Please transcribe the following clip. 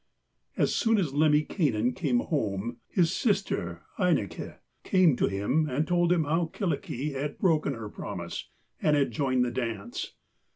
As soon as Lemminkainen came home, his sister Ainikki came to him and told him how Kyllikki had broken her promise and had joined in the dance.